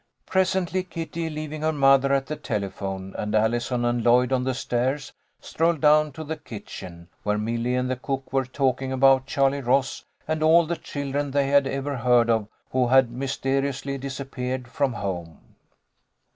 Presently, Kitty, leaving her mother at the tele phone, and Allison and Lloyd on the stairs, strolled down to the kitchen, where Milly and the cook were talking about Charlie Ross and all the children they had ever heard of who had mysteriously disappeared from home.